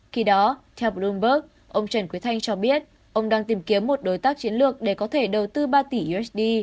khi đó theo bloomberg ông trần quý thanh cho biết ông đang tìm kiếm một đối tác chiến lược để có thể đầu tư ba tỷ usd